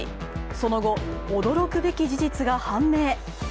その後、驚くべき事実が判明。